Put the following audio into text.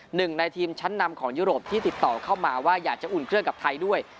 หนึ่งในทีมชั้นนำของยุโรปที่ติดต่อเข้ามาว่าอยากจะอุ่นเครื่องกับไทยด้วย